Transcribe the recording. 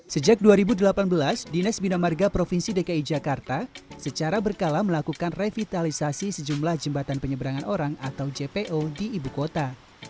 sejak dua ribu delapan belas dinas bina marga provinsi dki jakarta secara berkala melakukan revitalisasi sejumlah jembatan penyeberangan orang atau jpo di ibu kota